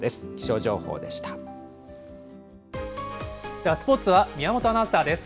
では、スポーツは宮本アナウンサーです。